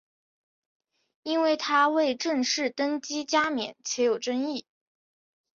因为他未正式登基加冕且有争议。